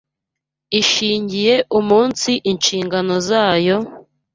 ishingiye umunsi nshingano zayo,